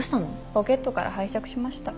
ポケットから拝借しました。